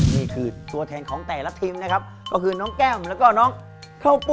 นี่คือตัวแทนของแต่ละทีมนะครับก็คือน้องแก้มแล้วก็น้องเข้าปู